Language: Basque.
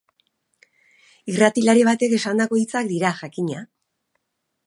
Irratilari batek esandako hitzak dira, jakina.